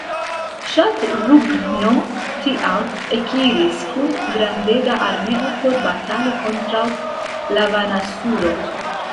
Ŝatrughno tiam ekiris kun grandega armeo por batali kontraŭ Lavanasuro.